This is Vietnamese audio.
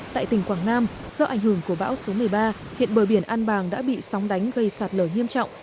tại tỉnh quảng nam do ảnh hưởng của bão số một mươi ba hiện bờ biển an bàng đã bị sóng đánh gây sạt lở nghiêm trọng